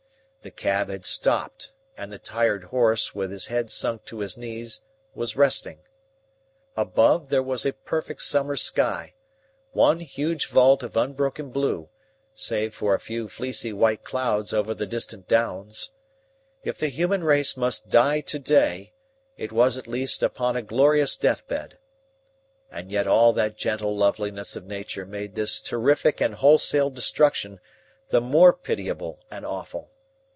The cab had stopped and the tired horse, with his head sunk to his knees, was resting. Above there was a perfect summer sky one huge vault of unbroken blue, save for a few fleecy white clouds over the distant downs. If the human race must die to day, it was at least upon a glorious death bed. And yet all that gentle loveliness of nature made this terrific and wholesale destruction the more pitiable and awful.